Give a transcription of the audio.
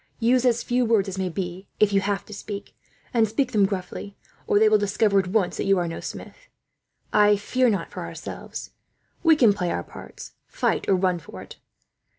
"Use as few words as may be, if you have to speak; and speak them gruffly, or they will discover at once that you are no smith. I fear not for ourselves. We can play our parts fight or run for it.